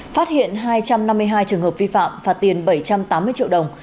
phát hiện hai trăm năm mươi hai trường hợp vi phạm phạt tiền bảy trăm tám mươi triệu đồng